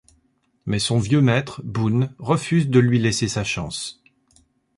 Mais son vieux maître, Boon, refuse de lui laisser sa chance.